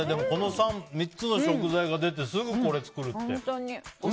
この３つの食材が出てすぐにこれを作るって。